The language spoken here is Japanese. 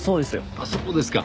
あっそうですか。